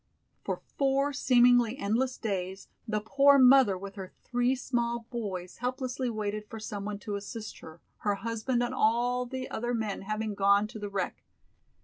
For four seemingly endless days the poor mother with her three small boys helplessly waited for someone to assist her, her husband and all the other men having gone to the wreck.